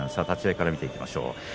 立ち合いから見ていきましょう。